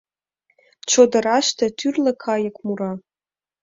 Чодыраште тӱрлӧ кайык мура.